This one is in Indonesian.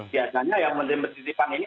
biasanya yang menteri mencitipan ini